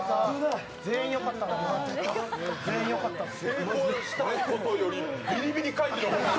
全員よかったです。